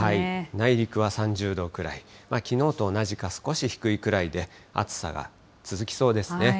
内陸は３０度くらい、きのうと同じか少し低いくらいで、暑さが続きそうですね。